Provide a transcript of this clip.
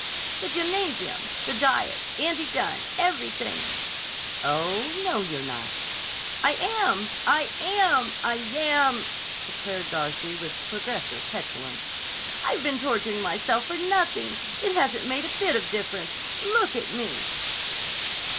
"The gymnasium. The diet. Andy Dunne. Everything." "Oh, no, you're not." "I am! I am! I yam!" declared Darcy with progressive petulance. "I've been torturing myself for nothing. It hasn't made a bit of difference. Look at me!"